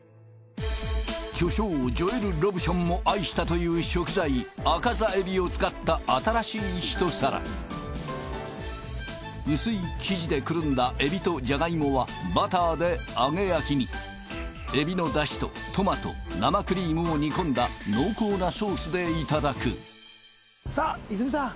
巨匠ジョエル・ロブションも愛したという食材アカザエビを使った新しい一皿薄い生地でくるんだエビとジャガイモはバターで揚げ焼きにエビのダシとトマト生クリームを煮込んだ濃厚なソースでいただくさあ泉さん